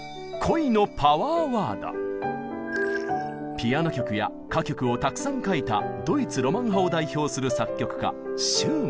ピアノ曲や歌曲をたくさん書いたドイツ・ロマン派を代表する作曲家シューマン。